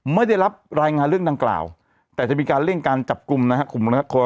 ไม่ได้รับรายงานเรื่องดังกล่าวแต่จะมีการเร่งการจับกลุ่มนะครับ